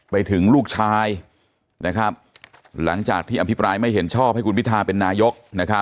ไปถึงลูกชายหลังจากที่อภิปรายไม่เห็นชอบให้คุณพิทาเป็นนายก